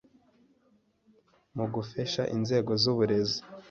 mu gufeshe inzego z’uburezi